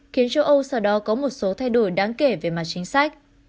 khiến châu âu sau đó có một số thay đổi đáng kể về mặt chính sách